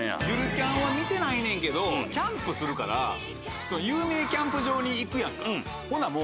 『ゆるキャン△』は見てないねんけどキャンプするから有名キャンプ場に行くやんかほな